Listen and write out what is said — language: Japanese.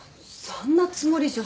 そんなつもりじゃ。